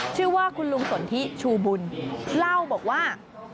ชื่อว่าคุณลุงสนทิชูบุญเล่าบอกว่า